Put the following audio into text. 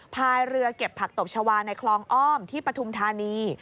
พายเรือเก็บผักตบชาวาในคลองอ้อมที่ปฐุมธานี